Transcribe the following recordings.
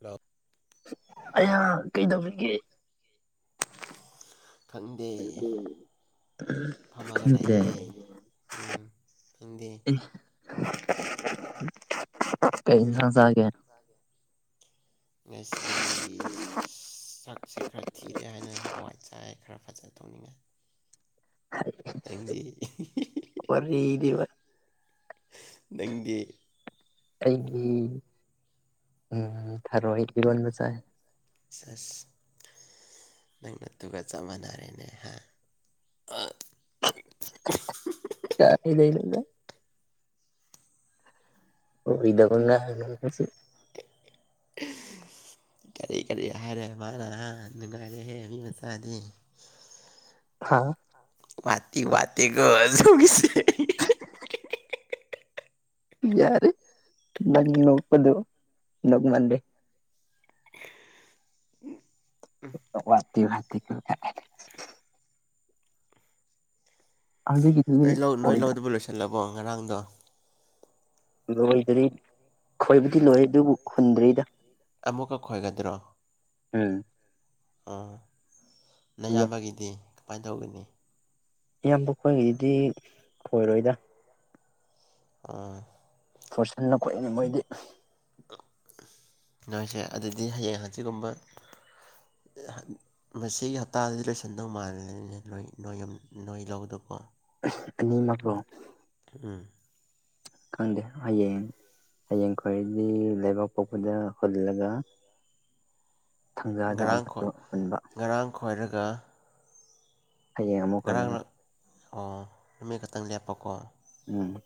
hello ꯑꯌ ꯀꯩꯗꯧꯔꯤꯒꯦ ꯈꯡꯗꯦ ꯎ ꯐꯝꯃꯒ ꯂꯩꯌꯦꯦ ꯎꯝ ꯅꯪꯗꯤ ꯑꯦ ꯀꯩ ꯎꯝ ꯏꯟꯁꯥꯡ ꯆꯒꯦ ꯉꯁꯤ ꯆꯛꯁꯦ ꯈꯔ ꯊꯤꯔꯦ ꯍꯥꯏꯅ ꯍꯋꯥꯏ ꯆꯥꯏ ꯈꯔ ꯐꯖꯅ ꯇꯧꯅꯤꯡꯉꯦ ꯍ ꯅꯪꯗꯤ ꯋꯥꯔꯤꯗꯤ ꯋꯥꯔꯤ ꯅꯪꯗꯤ ꯑꯩꯒꯤ ꯎꯝ ꯊꯔꯣꯏ ꯏꯔꯣꯟꯕ ꯆꯥꯥꯏ ꯁꯦꯁ ꯅꯪ ꯅꯇꯨꯒ ꯆꯞ ꯃꯥꯟꯅꯔꯦꯅꯦ ꯍꯥ ꯀꯥ ꯂꯩ [unintelligible] ꯑꯣꯏ [unintelligible] ꯉꯁꯤ ꯀꯔꯤ ꯀꯔꯤ ꯍꯥꯏꯔꯦ ꯃꯥꯅ ꯅꯨꯡꯉꯥꯏꯔꯦꯍꯦ ꯉꯆꯥꯗꯤ ꯍꯥ ꯋꯥꯇꯤ ꯋꯥꯇꯦꯀꯣ ꯍꯧꯒꯤꯁ ꯍ ꯌꯥꯔꯦ ꯅꯪ ꯅꯣꯛꯄꯗꯣ ꯅꯣꯛꯃꯜꯂꯦ ꯋꯥꯠꯇꯦ ꯋꯥꯠꯇꯦ ꯀꯦꯝ ꯀꯥꯏꯗꯦ ꯍꯧꯖꯤꯛꯀꯤꯗꯨꯗꯤ ꯅꯣꯏ ꯂꯧ ꯅꯣꯏ ꯑꯣꯏꯗ ꯂꯧꯗꯨꯕꯨ ꯂꯣꯏꯁꯜꯂꯕꯣ ꯉꯔꯥꯡꯗꯣ ꯂꯣꯏꯗ꯭ꯔꯤ ꯈꯣꯏꯕꯗꯤ ꯂꯣꯏꯔꯦ ꯑꯗꯨꯕꯨ ꯍꯨꯟꯗ꯭ꯔꯤꯗ ꯑꯃꯨꯛꯀ ꯈꯣꯏꯒꯗ꯭ꯔꯣ ꯎꯝ ꯑ ꯅꯌꯥꯝꯕꯒꯤꯗꯤ ꯀꯃꯥꯏ ꯇꯧꯒꯅꯤ ꯏꯌꯥꯝꯕ ꯈꯣꯏꯒꯤꯗꯤ ꯈꯣꯏꯔꯣꯏꯗ ꯑ ꯐꯣꯔꯁꯟꯅ ꯈꯣꯏꯔꯅꯤ ꯃꯣꯏꯗꯤ ꯅꯣꯏꯁꯦ ꯑꯗꯨꯗꯤ ꯍꯌꯦꯡ ꯍꯪꯆꯤꯠ ꯀꯨꯝꯕ ꯉꯁꯤꯒꯤ ꯍꯞꯇꯥꯗꯗꯤ ꯂꯣꯏꯁꯟꯗꯧ ꯃꯥꯜꯂꯦꯅꯦ ꯅꯣꯏ ꯅꯣꯏꯌꯝ ꯅꯣꯏ ꯂꯧꯗꯣꯀꯣ ꯑꯅꯤ ꯃꯛꯂꯣ ꯎꯝ ꯈꯪꯗꯦ ꯍꯌꯦꯡ ꯍꯌꯦꯡ ꯈꯣꯏꯔꯅꯤ ꯂꯩꯕꯥꯛꯄꯣꯛꯄꯗ ꯍꯨꯜꯂꯒ ꯊꯪꯖꯥꯗ ꯉꯔꯥꯡ ꯈꯣꯏ ꯑꯃꯁꯨ ꯍꯨꯟꯕ ꯉꯔꯥꯡ ꯈꯣꯏꯔꯒ ꯍꯌꯦꯡ ꯑꯃꯨꯛ ꯉꯔꯥꯡ ꯍꯨꯟꯅꯤꯡꯉ ꯑꯣ ꯅꯨꯃꯤꯠ ꯈꯛꯇꯪ ꯂꯦꯞꯄꯀꯣ ꯎꯝ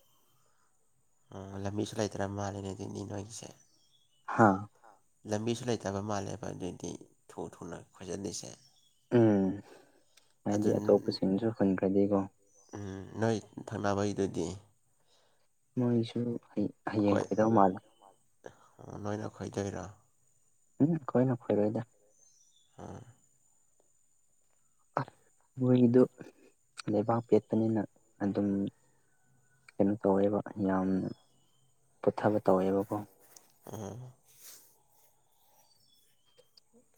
ꯎꯝ ꯂꯝꯕꯤꯁꯨ ꯂꯩꯇ꯭ꯔ ꯃꯥꯜꯂꯦꯅꯦ ꯑꯗꯨꯗꯤ ꯅꯣꯏꯒꯤꯁꯦ ꯍꯥꯥ ꯂꯝꯕꯤꯁꯨ ꯂꯩꯇꯕ ꯃꯥꯜꯂꯦꯕ ꯑꯗꯨꯗꯤ ꯊꯨ ꯊꯨꯅ ꯈꯣꯏꯖꯜꯂꯤꯁꯦ ꯎꯝ ꯑꯗꯨ ꯍꯥꯏꯗꯤ ꯑꯇꯣꯞꯄ ꯁꯤꯡꯁꯨ ꯍꯨꯟꯈ꯭ꯔꯗꯤꯀꯣ ꯎꯝ ꯅꯣꯏ ꯊꯪꯅꯕꯩꯗꯨꯗꯤ ꯃꯣꯏꯁꯨ ꯍ ꯍꯌꯦꯡ ꯈꯣꯏꯗꯧ ꯃꯥꯜꯂꯦ ꯑꯣ ꯅꯣꯏꯅ ꯈꯣꯏꯗꯣꯏꯔꯣ ꯎꯝ ꯈꯣꯏꯅ ꯈꯣꯏꯔꯣꯏꯗ ꯑ ꯑ ꯃꯣꯏꯒꯤꯗꯣ ꯂꯩꯕꯥꯛ ꯄꯦꯠꯄꯅꯤꯅ ꯑꯗꯨꯝ ꯀꯩꯅꯣ ꯇꯧꯋꯦꯕ ꯌꯥꯝ ꯄꯨꯊꯕ ꯇꯧꯋꯦꯕꯀꯣ ꯎꯝ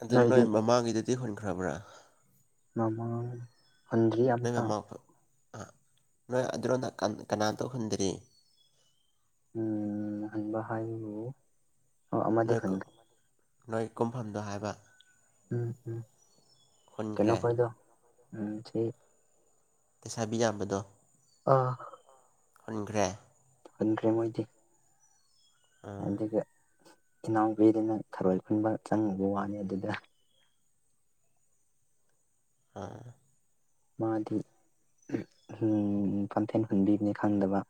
ꯑꯗꯨ ꯅꯣꯏꯗꯤ ꯅꯣꯏ ꯃꯃꯥꯡꯒꯤꯗꯨꯗꯤ ꯍꯨꯟꯈ꯭ꯔꯕꯔꯥ [unintelligible] ꯅꯣꯏ ꯑꯝꯇ ꯃꯃꯥ ꯈꯣꯏ ꯑ ꯅꯣꯏ ꯑꯗꯨꯔꯣꯝꯗ ꯀ ꯀꯅꯥ ꯇꯧꯍꯟꯗ꯭ꯔꯤ ꯎꯝ ꯍꯨꯟꯕ ꯍꯥꯏꯕꯕꯨ ꯑꯣ ꯑꯃꯗꯤ ꯅꯣꯏ ꯀꯨ ꯍꯨꯟꯈ꯭ꯔꯦ ꯅꯣꯏ ꯀꯨꯝꯐꯝꯗꯣ ꯍꯥꯏꯕ ꯎꯝ ꯎꯝ ꯀꯩꯅꯣ ꯍꯨꯟꯈ꯭ꯔꯦ ꯈꯣꯏꯗꯣ ꯎꯝ ꯁꯤ ꯂꯩꯩꯁꯥꯕꯤ ꯌꯥꯝꯕꯗꯣ ꯑ ꯍꯨꯟꯈ꯭ꯔꯦ ꯍꯨꯟꯈ꯭ꯔꯦ ꯃꯣꯏꯗꯤ ꯑꯥ ꯑꯗꯨꯒ [unintelligible] ꯅꯥꯎꯄꯤꯗꯨꯅ ꯊꯔꯣꯏ ꯈꯨꯟꯕ ꯆꯪꯉꯨꯕ ꯋꯥꯅꯤ ꯑꯗꯨꯗ ꯑꯥ ꯃꯥꯗꯤ [unintelligible] ꯍꯨꯟꯕꯤꯅꯤ ꯈꯪꯗꯕ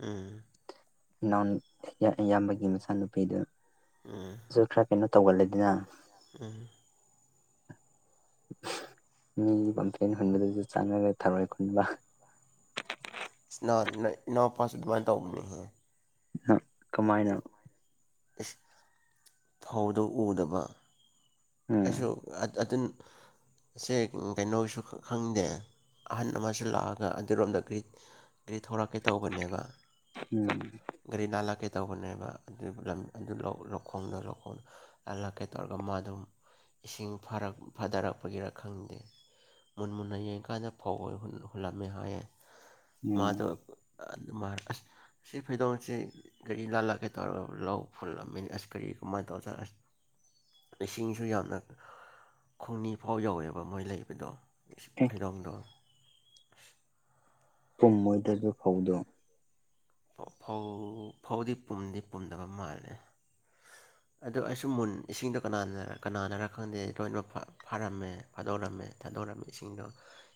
ꯎꯝ ꯏꯅꯥꯎ ꯏꯌꯥꯝꯕꯒꯤ ꯃꯆꯥꯅꯨꯄꯤꯗꯨ ꯎꯝ ꯁꯨꯈꯔ ꯀꯩꯅꯣ ꯇꯧꯒꯜꯂꯦꯗꯅ ꯎꯝ ꯃꯤꯒꯤ ꯄꯝꯐꯦꯟ ꯍꯨꯟꯕꯗꯨꯁꯨ ꯆꯥꯅꯔꯦ ꯊꯔꯣꯏ ꯈꯨꯨꯟꯕ ꯏꯁ ꯏꯅꯥꯎ ꯅꯣꯏ ꯏꯅꯥꯎ ꯄꯥꯁꯨ ꯑꯗꯨꯃꯥꯏ ꯇꯧꯕꯅꯤ ꯍꯦ ꯍ ꯀꯃꯥꯏꯅ ꯏꯁ ꯐꯧꯗꯣ ꯎꯗꯕ ꯑꯩꯁꯨ ꯎꯝ [unintelligible] ꯁꯦ ꯀꯩꯅꯣꯁꯨ ꯈꯪꯗꯦ ꯑꯍꯟ ꯑꯃꯁꯨ ꯂꯥꯛꯑꯒꯥ ꯑꯗꯨꯔꯣꯝꯗ ꯀ꯭ꯔꯤ ꯑꯩ ꯊꯣꯔꯛꯀꯦ ꯇꯧꯕꯅꯦꯕꯥ ꯎꯝ ꯒꯥꯔꯤꯗ ꯍꯜꯂꯛꯀꯦ ꯇꯧꯕꯅꯦꯕ ꯑꯗꯨ [unintelligible] ꯂꯧꯈꯣꯡꯗꯣ ꯂꯧꯈꯣꯡꯗꯣ ꯑꯜꯂꯛꯀꯦ ꯇꯧꯔꯒ ꯃꯥ ꯑꯗꯨꯝ ꯏꯁꯤ ꯐꯥꯔꯛ ꯐꯥꯗꯔꯛꯄꯒꯤꯔ ꯈꯪꯗꯦ ꯃꯨꯟ ꯃꯨꯟꯅ ꯌꯦꯡꯀꯥꯟꯗ ꯐꯧ ꯍꯨꯜꯂꯝꯃꯦ ꯍꯥꯏꯌꯦ ꯎꯝ ꯃꯥꯗꯣ [unintelligible] ꯁꯤ ꯐꯩꯗꯣꯝꯁꯦ ꯒꯥꯔꯤ ꯂꯥꯜꯂꯛꯀꯦ ꯇꯧꯔꯒ ꯂꯧ ꯍꯨꯜꯂꯝꯃꯦ ꯑꯁ ꯀꯔꯤ ꯀꯃꯥꯏꯅ ꯇꯧꯔ [unintelligible] ꯆꯤꯡꯁꯨ ꯌꯥꯝꯅ ꯈꯣꯡꯅꯤ ꯐꯥꯎ ꯌꯧꯋꯦꯕ ꯃꯣꯏ ꯂꯩꯕꯗꯣ ꯑꯦ ꯐꯩꯗꯣꯝꯗꯣ ꯄꯨꯝꯃꯣꯏꯗ꯭ꯔꯥ ꯑꯗꯨ ꯐꯧꯗꯣ ꯐꯧ ꯐꯧꯗꯤ ꯄꯨꯝꯗꯤ ꯄꯨꯝꯗꯕ ꯃꯥꯜꯂꯦ ꯑꯗꯨ ꯑꯁꯨꯝ ꯃꯨꯟ ꯏꯁꯤꯡꯗꯣ ꯀꯅꯥꯅ ꯀꯅꯥꯅꯔꯥ ꯈꯪꯗꯦ ꯂꯣꯏꯅꯃꯛ ꯐꯥ ꯐꯥꯔꯝꯃꯦ ꯐꯥꯗꯣꯛꯔꯝꯃꯦ ꯊꯥꯗꯣꯔꯝꯃꯤ ꯏꯁꯤꯡꯗꯣ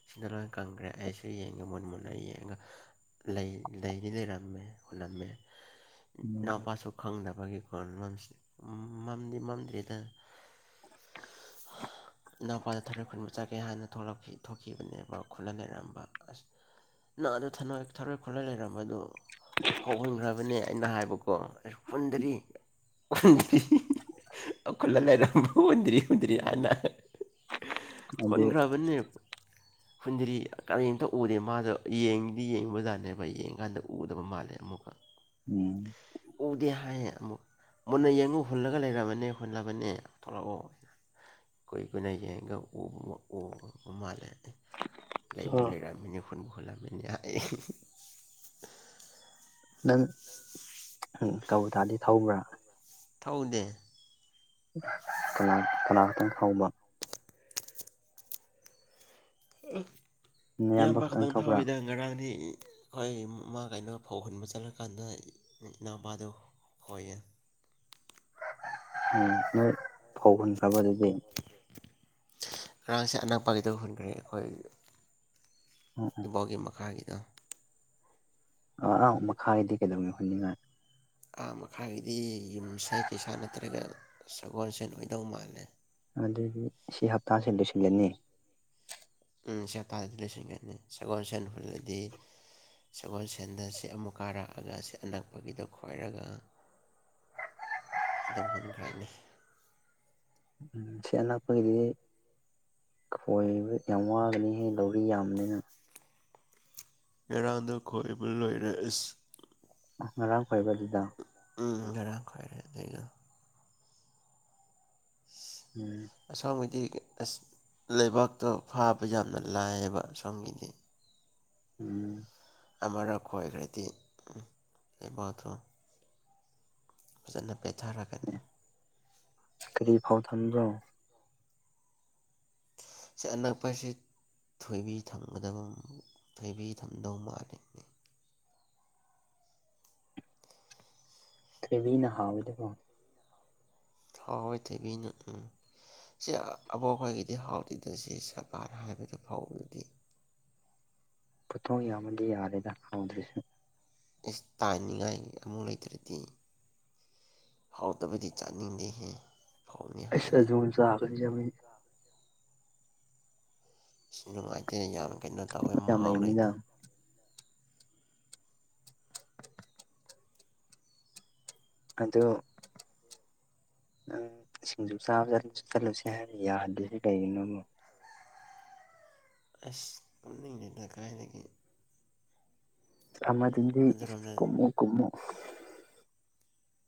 ꯁꯤꯗ ꯂꯣꯏ ꯀꯪꯈ꯭ꯔꯦ ꯑꯩꯁꯨ ꯌꯦꯡꯉꯦ ꯃꯨꯟ ꯃꯨꯟꯅꯥ ꯌꯦꯡꯉꯒ ꯂꯩꯅꯤ ꯂꯩꯔꯝ- ꯃꯦ ꯍꯨꯜꯂꯝꯃꯦ ꯎꯝ [unintelligible] ꯈꯪꯗꯕꯒꯤ [unintelligible] ꯃꯝꯗꯤ ꯃꯝꯗꯦꯗꯥ [unintelligible] ꯏꯅꯥꯎꯄꯥꯗꯣ ꯊꯥꯔꯣꯏ ꯈꯨꯟꯕ ꯍꯥꯏꯅ ꯊꯣꯛꯂꯛꯈꯤ ꯊꯣꯛꯈꯤꯕꯅꯦꯕ ꯈꯨꯜꯂ ꯂꯩꯔꯝꯕꯥ ꯑꯁ ꯅꯪ ꯑꯗꯨ ꯊꯅꯣꯏ ꯊꯔꯣꯏ ꯈꯨꯜꯂꯥ ꯂꯩꯔꯝꯕ ꯑꯗꯨ [unintelligible] ꯐꯨ ꯍꯨꯟꯈ꯭ꯔꯕꯅꯦ ꯑꯩꯅ ꯍꯥꯏꯕꯀꯣ ꯍꯨꯟꯗꯥꯔꯤ ꯍꯨꯟꯗ꯭ꯔꯤ ꯈꯨꯜꯂ ꯂꯩꯔꯝꯕ ꯍꯨꯟꯗ꯭ꯔꯤ ꯍꯨꯟꯗ꯭ꯔꯤ ꯍꯥꯏꯅ ꯑꯗꯨ ꯍꯨꯟꯈ꯭ꯔꯕꯅꯦ [inaudible] ꯈꯨꯨꯟꯗ꯭ꯔꯤ ꯀꯔꯤꯝꯇ ꯎꯗꯦ ꯃꯥꯗꯣ ꯌꯦꯡꯗꯤ ꯌꯦꯡꯕꯖꯥꯠꯅꯦꯕ ꯌꯦꯡꯀꯥꯟꯗ ꯎꯗꯕ ꯃꯥꯜꯂꯦ ꯑꯃꯨꯛ ꯎꯝ ꯑꯣꯗ ꯍꯥꯏꯌꯦ ꯑꯃꯨꯛ ꯃꯨꯟꯅ ꯌꯦꯡꯉꯨ ꯍꯨꯜꯂꯒ ꯂꯩꯔꯕꯅꯦ ꯍꯨꯜꯂꯥꯕꯅꯦ ꯊꯣꯛꯂꯛꯑꯣ ꯀꯨꯏ ꯀꯨꯏꯀꯨꯏꯅꯌꯦꯡꯒꯧ ꯑꯣ ꯑꯣ ꯃꯥꯜꯂꯦ ꯂꯩꯕꯨ ꯂꯩꯔꯝꯃꯤꯅꯦ ꯍꯨꯟꯕꯨ ꯍꯨꯟꯂꯝꯃꯤꯅꯦ ꯅꯪ ꯎꯝ ꯀꯥꯕꯣꯇꯥꯗꯤ ꯊꯧꯕ꯭ꯔꯥ ꯊꯧꯗꯦ ꯀꯅꯥ ꯀꯅꯥ ꯀꯅꯥꯝꯇꯥ ꯊꯧꯕ ꯑꯥ ꯅꯌꯥꯝꯕ ꯏꯌꯥꯝꯕ ꯈꯛꯇꯪ ꯊꯧꯕ꯭ꯔꯥ ꯊꯧꯋꯤꯗ ꯉꯔꯥꯡꯗꯤ ꯑꯩꯈꯣꯏꯃꯥ ꯀꯩꯅꯣ ꯐꯧ ꯍꯨꯟꯕ ꯆꯠꯂꯀꯥꯟꯗ ꯏꯅꯥꯎꯄꯥꯗꯨ ꯐꯣꯏꯌꯦ ꯎꯝ ꯅꯣꯏ ꯐꯧ ꯍꯨꯟꯈ꯭ꯔꯕ ꯑꯗꯨꯗꯤ ꯉꯔꯥꯡꯁꯦ ꯑꯅꯛꯄꯒꯤꯗꯨ ꯍꯨꯟꯈ꯭ꯔꯦ ꯑꯩꯈꯣꯏ ꯎꯝ ꯎꯝ ꯏꯕꯣꯒꯤ ꯃꯈꯥꯒꯤꯗꯣ ꯑꯥ ꯑꯪ ꯃꯈꯥꯒꯤꯗꯤ ꯀꯩꯗꯧꯒꯥꯏ ꯍꯨꯟꯅꯤꯡꯉꯥꯏ ꯑꯥ ꯃꯈꯥꯒꯤꯗꯤ ꯌꯨꯝꯁꯥ ꯀꯩꯁꯥꯥ ꯅꯠꯇ꯭ꯔꯒ ꯁꯒꯣꯜꯁꯦꯟ ꯑꯣꯏꯗꯧ ꯃꯥꯜꯂꯦ ꯑꯗꯨꯗꯤ ꯁꯤ ꯍꯞꯇꯥꯁꯦ ꯂꯣꯏꯁꯤꯜꯂꯅꯤ ꯎꯝ ꯁꯤꯍꯞꯇꯥꯁꯤꯗ ꯂꯣꯏꯁꯤꯟꯒꯅꯤ ꯁꯒꯣꯜ ꯁꯦꯟ ꯍꯨꯜꯂꯗꯤ ꯁꯒꯣꯜꯁꯦꯟꯗ ꯁꯤ ꯑꯃꯨꯛ ꯀꯥꯔꯛꯑꯒ ꯁꯤ ꯑꯅꯛꯄꯒꯤꯗꯣ ꯈꯣꯏꯔꯒ ꯑꯗꯨꯝ ꯍꯨꯟꯈ꯭ꯔꯥꯅꯤ [unintelligible] ꯈꯣꯏꯕ ꯌꯥꯝ ꯋꯥꯒꯅꯤꯍꯦ ꯂꯧꯔꯤ ꯌꯥꯝꯕꯅꯤꯅ ꯉꯔꯥꯡꯗ ꯈꯣꯏꯕ ꯂꯣꯏꯔꯏꯁ ꯑ ꯉꯔꯥꯡ ꯐꯕꯗꯨꯗ ꯎꯝ ꯉꯔꯥꯡ ꯈ꯭ꯋꯥꯏꯔꯦ ꯑꯗ [unintelligible] ꯎꯝ ꯑꯁꯣꯝꯒꯤꯗꯤ ꯑꯁ ꯂꯩꯕꯥꯛꯇꯣ ꯐꯥꯕ ꯌꯥꯝꯅ ꯂꯥꯏꯌꯦꯕ ꯑꯁꯣꯝꯒꯤꯗꯤ ꯎꯝ ꯑꯃꯔ ꯈꯣꯏꯒꯔꯗꯤ [unintelligible] ꯐꯖꯅ ꯄꯦꯊꯔꯒ ꯀꯔꯤ ꯐꯥꯎ ꯊꯝꯕ꯭ꯔꯣ ꯁꯤ ꯑꯅꯛꯄꯁꯤ ꯊꯣꯏꯕꯤ ꯊꯝꯒꯗꯕ ꯊꯣꯏꯕꯤ ꯊꯝꯗꯧ ꯃꯥꯜꯂꯤꯅꯤ ꯇꯦꯕꯤꯅ ꯍꯥꯎꯕꯅꯤꯀꯣ ꯍꯣꯏ ꯍꯣꯏ ꯊꯣꯏꯕꯤꯅ ꯎꯝ ꯁꯤ ꯑꯕꯣꯛ ꯑꯩꯈꯣꯏꯒꯤꯗꯤ ꯍꯥꯎꯇꯗꯁ ꯁꯔꯀꯥꯔ ꯍꯥꯏꯕꯗꯨ ꯐꯥꯎꯕꯗꯨꯗꯤ ꯄꯣꯊꯣꯛ ꯌꯥꯝꯃꯗꯤ ꯌꯥꯔꯦꯗ ꯍꯥꯎꯗ꯭ꯔꯤꯁꯦ ꯑꯦꯁ ꯇꯥꯅꯤꯡꯉꯥꯏ ꯑꯃꯨꯛ ꯂꯩꯇ꯭ꯔꯗꯤ ꯐꯥꯎꯗꯕꯗꯤ ꯆꯥꯅꯤꯡꯗꯦꯍꯦ ꯐꯧꯅꯤ ꯍꯥꯏꯅ [unintelligible] ꯁꯤ ꯅꯨꯡꯉꯥꯏꯇꯦ ꯌꯥꯝ ꯀꯩꯅꯣ ꯇꯧꯋꯦ ꯌꯥꯝ ꯃꯍꯥꯎ ꯂꯩꯕꯅꯤꯅ ꯂꯩꯇꯦ ꯑꯗꯣ ꯅꯪ ꯁꯤꯡꯖꯨ ꯆꯥꯕ ꯆꯠ ꯆꯠꯂꯨꯁꯦ ꯍꯥꯏꯔ ꯌꯥꯗꯁꯨ ꯀꯔꯤꯒꯤꯅꯣ ꯑꯁ ꯀꯨꯝꯅꯤꯡꯉꯩꯗ ꯀꯥꯏꯗꯒꯤ ꯑꯥꯃꯗꯨꯗꯤ ꯑꯗꯨꯔꯣꯝꯗ ꯀꯨꯝꯃꯨ ꯀꯨꯝꯃꯨ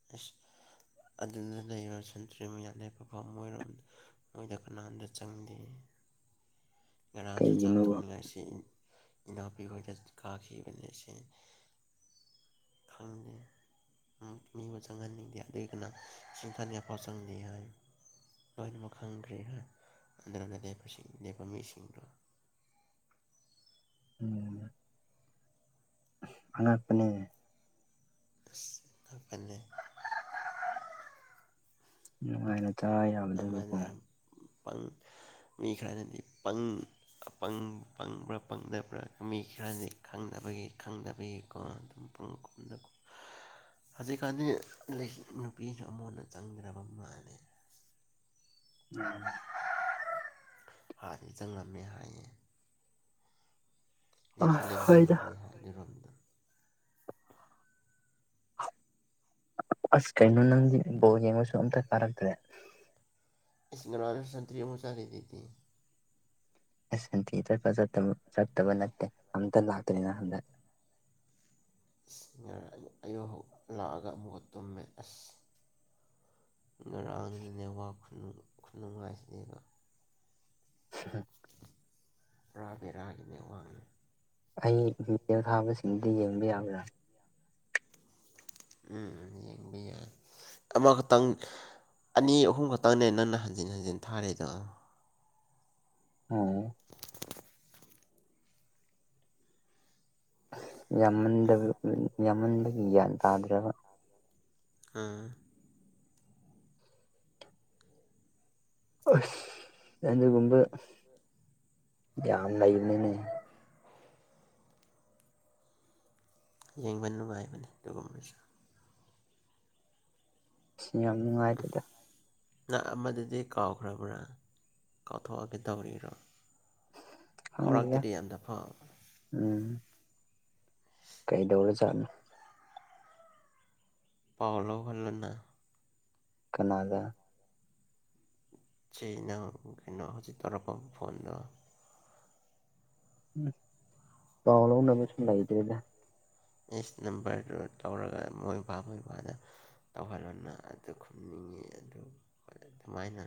[unintelligible] ꯃꯣꯏꯗ ꯀꯅꯥꯝꯇ ꯆꯪꯗꯦ ꯉꯔꯥꯡꯁꯨ ꯆꯥꯛ ꯀꯩꯒꯤꯅꯣꯕ ꯊꯣꯟꯉꯥꯏ ꯁꯤꯏ [unintelligible] ꯃꯤꯕꯨ ꯆꯪꯍꯟꯅꯤꯡꯗꯦ ꯑꯗꯨꯏ [unintelligible] ꯆꯪꯗꯦ ꯍꯥꯏ ꯂꯣꯏꯅꯃꯛ ꯈꯪꯗ꯭ꯔꯦꯅꯟꯕ ꯃꯤꯁꯤꯡ ꯑꯥꯉꯛꯄꯅꯤ ꯎꯁ [unintelligible] ꯅꯨꯡꯉꯥꯏꯔꯣꯗ ꯌꯥꯝ ꯑꯃꯅ ꯄꯪ ꯃꯤ ꯈꯔꯅꯗꯤ ꯄꯪ ꯄꯪꯕ꯭ꯔꯥ ꯄꯪꯗꯕ꯭ꯔꯥ ꯃꯤ ꯈꯔꯗꯤ ꯈꯪꯗꯕꯒꯤ ꯈꯪꯗꯕꯒꯤꯀꯣ [unintelligible] [inaudible] ꯍꯧꯖꯤꯛꯀꯥꯟꯗꯤ ꯅꯨꯄꯤꯁꯨ ꯑꯃꯨꯛ ꯍꯟꯅ ꯆꯪꯗ꯭ꯔꯕ ꯃꯥꯜꯂꯦ ꯎ [unintelligible] ꯍꯥꯅꯗꯤ ꯆꯨꯪꯉꯥꯃꯦ ꯍꯥꯏꯌꯦ ꯅꯦꯐꯨꯂꯦ ꯍꯣꯏꯗ ꯃꯅꯤꯒꯤꯍ ꯂꯩꯔꯝꯗ ꯑꯁ ꯀꯩꯅꯣ ꯅꯪꯗꯤ ꯕꯧ ꯌꯦꯡꯕꯁꯨ ꯑꯝꯇ ꯀꯥꯔꯛꯇ꯭ꯔꯦ ꯏꯁ ꯉꯔꯖ ꯁꯇ꯭ꯔꯤ ꯃꯨꯆꯥꯥꯔꯤꯗꯤꯇꯤ ꯑꯦꯁ ꯑꯦꯟꯇꯤ ꯆꯠꯄ ꯆꯠꯇꯕ ꯅꯠꯇꯦ ꯑꯝꯇ ꯂꯥꯛꯇꯅꯤꯅ ꯍꯟꯗꯛ ꯑꯁ ꯑꯌꯨ ꯍ ꯂꯥꯛꯑꯒ ꯑꯃꯨꯛꯀ ꯇꯨꯝꯃꯦ ꯑꯁ ꯉꯔꯥꯡꯗꯨꯗꯅꯦ ꯈꯨꯅꯨꯡꯉꯥꯏꯁꯤꯅꯦꯕ [inaudible] ꯄꯨꯔꯥ ꯕꯦꯔꯥꯒꯤꯅꯦ ꯋꯥꯡ ꯑꯩ ꯃꯤꯆꯦꯜ ꯊꯥꯕꯁꯤꯡꯗꯨꯗꯤ ꯌꯦꯡꯕ ꯌꯥꯕ꯭ꯔꯥ ꯎꯝ ꯌꯦꯡꯕꯤꯗꯦ ꯑꯃꯈꯛꯇꯪ ꯑꯅꯤ ꯑꯍꯨꯝ ꯈꯛꯇꯪꯅꯦ ꯅꯪꯅ ꯍꯟꯖꯤꯟ ꯍꯟꯖꯤꯟ ꯊꯥꯔꯤꯗꯣ ꯑꯣ ꯌꯥꯝꯃꯟꯗꯕ ꯌꯥꯝꯃꯟꯕꯒꯤ ꯒ꯭ꯌꯥꯟ ꯇꯥꯗ꯭ꯔꯕ ꯑꯥ ꯑꯁ ꯑꯗꯨꯒꯨꯝꯕ ꯌꯥꯝ ꯂꯩꯕꯅꯤꯅꯦ ꯌꯦꯡꯕ ꯅꯨꯡꯉꯥꯏꯕꯅꯤ ꯑꯗꯨꯒꯨꯝꯕꯁꯨ ꯁꯤ ꯌꯥꯝ ꯅꯨꯡꯉꯥꯏꯇꯦꯗ ꯅꯍ ꯑꯃꯗꯗꯤ ꯀꯥꯎꯈ꯭ꯔꯕ꯭ꯔꯥ ꯀꯥꯎꯊꯣꯛꯑꯒꯦ ꯇꯧꯔꯤꯔꯣ ꯈꯪꯗꯦꯗ ꯐꯥꯎꯔꯥꯛꯇꯗꯤ ꯌꯥꯝꯟꯗꯐꯥꯎ ꯎꯝ ꯀꯩꯗꯧꯔꯖꯥꯠꯅꯣ ꯄꯥꯎꯂꯒꯂꯅ ꯀꯅꯥꯗꯥ ꯁꯤꯩꯅ ꯀꯩꯅꯣ ꯍꯧꯖꯤꯛ ꯇꯧꯔꯛꯄ ꯐꯣꯟꯗꯣ ꯎꯝ ꯆꯥꯎꯅ ꯃꯤꯁꯨꯅ ꯂꯩꯇ꯭ꯔꯦꯗ ꯏꯁ ꯅꯝꯕꯔꯗꯨ ꯇꯧꯔꯒ ꯃꯣꯏꯕꯥꯕꯣꯏꯕꯥꯗ ꯇꯧꯍꯜꯅ ꯑꯗꯨ ꯈꯨꯝꯅꯤꯡꯉꯤ ꯑꯗꯨ ꯑꯗꯨꯃꯥꯏꯅ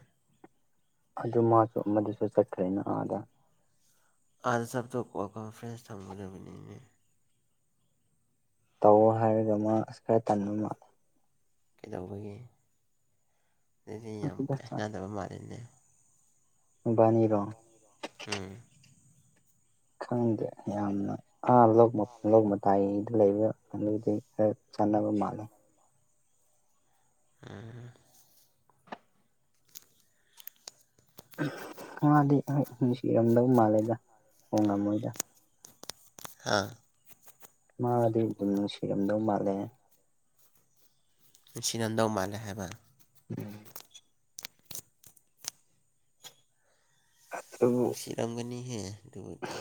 ꯑꯗꯨ ꯃꯥꯁꯨ ꯃꯗꯨꯁꯨ ꯆꯠꯈ꯭ꯔꯦꯅ ꯑꯥꯗ ꯑ ꯆꯕꯇꯣ ꯀꯣꯀ ꯐ꯭ꯔꯦꯟꯁ ꯊꯝꯒꯗꯕꯅꯤꯅ ꯇꯧ ꯍꯥꯏꯔꯒ ꯃꯥ ꯑꯁ ꯈꯔ ꯇꯟꯃ ꯀꯩꯗꯧꯕꯒꯤ ꯑꯗꯨꯗꯤ ꯌꯥꯝ ꯈꯪꯗꯦꯗ ꯀꯅꯗꯕ ꯃꯥꯜꯂꯤꯦꯅꯦ ꯕꯥꯅꯤꯔꯣ ꯎꯝ ꯈꯪꯗꯦ ꯌꯥꯝꯅ ꯂꯣꯛ ꯃꯇꯥꯏꯗ ꯂꯩꯕ ꯑꯗꯨꯗꯤ ꯈꯔ ꯆꯥꯟꯅꯕ ꯃꯥꯜꯂꯦ ꯎ ꯃꯥꯗꯤ ꯍꯣꯏ ꯅꯨꯡꯁꯤꯔꯝꯗꯧ ꯃꯥꯜꯂꯦꯗ ꯈꯣꯡꯝꯃꯣꯏꯗ ꯑꯥ ꯃꯥꯗꯤ ꯑꯗꯨꯝ ꯅꯨꯡꯁꯤꯔꯝꯗꯧ ꯃꯥꯜꯂꯦ ꯅꯨꯡꯁꯤꯅꯗꯧ ꯃꯥꯜꯂꯦ ꯍꯥꯏꯕ ꯎꯝ ꯑꯗꯨꯕꯨ ꯅꯨꯡ ꯁꯤꯔꯝꯒꯅꯤ ꯍꯦ ꯑꯗꯨꯕꯗꯤ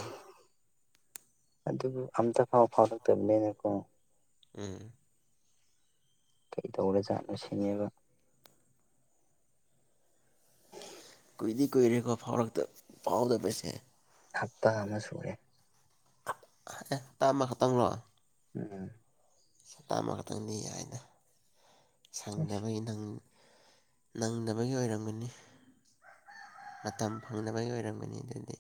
ꯑꯗꯨꯕꯨ ꯑꯝꯇ ꯐꯥꯎꯕ ꯐꯥꯎꯔꯛꯇꯕꯅꯤꯅꯀꯣ ꯎꯝ ꯀꯩꯗꯧꯔ ꯖꯥꯠꯅꯣ ꯁꯤꯅꯦꯕ ꯀꯨꯏꯗꯤ ꯀꯨꯏꯔꯦꯀꯣ ꯐꯥꯎꯔꯛꯇ ꯐꯥꯎꯗꯕꯁꯦ ꯍꯞꯇꯥ ꯑꯃ ꯁꯨꯔꯦ ꯑꯦ ꯍꯞꯇꯥ ꯑꯃꯈꯛꯇꯪ ꯂꯣ ꯎꯝ ꯆꯇꯥꯝ ꯑꯃꯈꯛꯇꯪꯅꯤ ꯍꯥꯏꯅ ꯁꯪꯅꯕꯒꯤ ꯅꯪ ꯅꯪꯗꯕꯒꯤ ꯑꯣꯏꯔꯝꯒꯅꯤ ꯃꯇꯝ ꯐꯪꯗꯕꯒꯤ ꯑꯣꯏꯔꯝꯒꯅꯤ ꯑꯗꯨꯗꯤ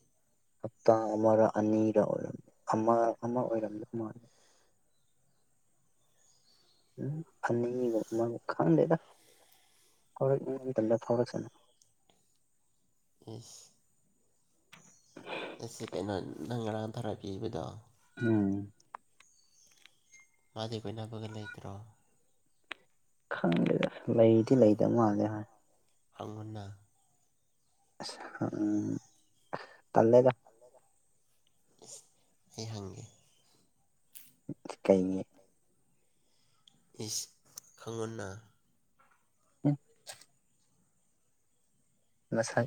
ꯍꯞꯇꯥ ꯑꯃꯔ ꯑꯅꯤꯔ ꯑꯣꯏꯔꯝ ꯑꯃ ꯑꯃ ꯑꯣꯏꯔꯝꯗꯧ ꯃꯥꯜꯂꯦ ꯎꯝ ꯑꯅꯤꯔ ꯑꯃꯔ ꯈꯪꯗꯦꯗ ꯍꯥꯎꯔꯛꯅꯤꯡꯕ ꯃꯇꯝꯗ ꯐꯥꯎꯔꯛꯁꯅꯨ ꯏꯁ ꯑꯦ ꯁꯤ ꯀꯩꯅꯣ ꯅꯪ ꯉꯔꯥꯡ ꯊꯥꯔꯛ ꯄꯤꯕꯗꯣ ꯎꯝ ꯃꯥꯗꯤ ꯄꯣꯏꯅꯕꯒ ꯂꯩꯇ꯭ꯔꯣ ꯈꯪꯗꯦꯗ ꯂꯩꯗꯤ ꯂꯩꯗꯕ ꯃꯥꯜꯂꯦ ꯍꯣꯏ ꯐꯪꯅ ꯎꯝ ꯇꯂꯦꯗ ꯑꯩ ꯍꯪꯒꯦ ꯀꯩꯅꯤ ꯏꯁ ꯈꯉꯅ ꯎꯝ ꯉꯁꯥꯏ ꯉꯁꯥꯏ